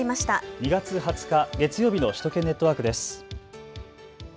２月２０日、月曜日の首都圏ネットワークです。